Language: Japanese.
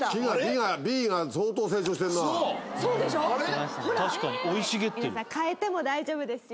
皆さん変えても大丈夫ですよ。